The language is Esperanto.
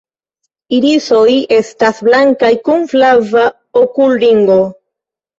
La irisoj estas blankaj kun flava okulringo.